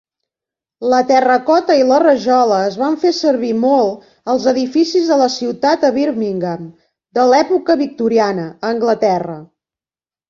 La terracota i la rajola es van fer servir molt als edificis de la ciutat a la Birmingham de l'època victoriana, a Anglaterra.